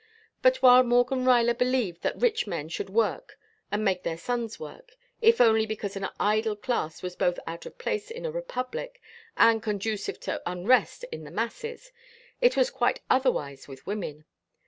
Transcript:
But while Morgan Ruyler believed that rich men should work and make their sons work, if only because an idle class was both out of place in a republic and conducive to unrest in the masses, it was quite otherwise with women.